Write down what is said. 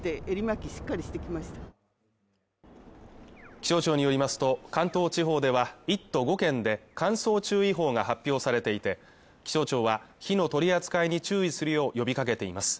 気象庁によりますと関東地方では１都５県で乾燥注意報が発表されていて気象庁は火の取り扱いに注意するよう呼びかけています